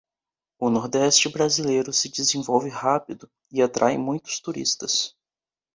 O nordeste brasileiro se desenvolve rápido e atrai muitos turistas